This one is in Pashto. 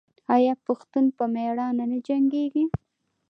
آیا پښتون په میړانه نه جنګیږي؟